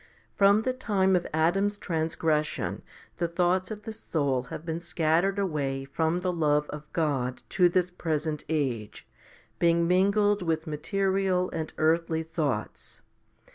From the time of Adam's transgression the thoughts of the soul have been scattered away from the love of God to this present age, being mingled with material and earthly thoughts.